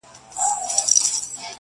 شپه سوه تېره پر اسمان ختلی لمر دی!.